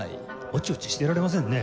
おちおちしていられませんね。